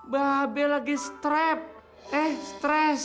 babel lagi strap eh stress